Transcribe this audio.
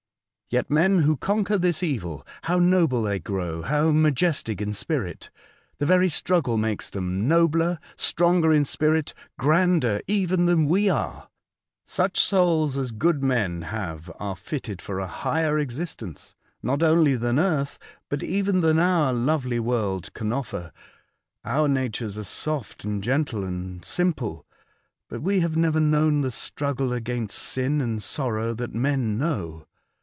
Yet men who conquer this evil, how noble they grow, how majestic in spirit ! The very struggle makes them nobler, stronger in spirit, grander even than we are. Such souls as good men have are fitted for a higher existence, not only than earth, but even than our lovely world can offer. Our natures are soft, and gentle, and simple ; but we have never known the struggle against sin and sorrow that men know.